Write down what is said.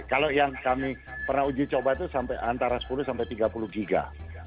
kalau yang kami pernah uji coba itu sampai antara sepuluh sampai tiga puluh giga